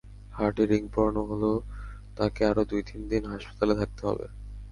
হার্টে রিং পরানো হলেও তাঁকে আরও দুই-তিন দিন হাসপাতালে থাকতে হবে।